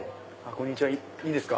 こんにちはいいですか？